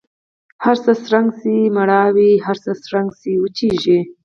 هرڅه څرنګه سي مړاوي هر څه څرنګه وچیږي